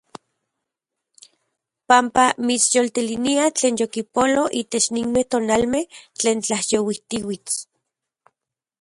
Panpa mitsyoltelinia tlen yokipolo itech ninmej tonalmej tlen tlayouijtiuits.